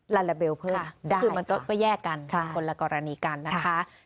ลาลาเบลเพิ่มคือมันก็แยกกันคนละกรณีกันนะคะ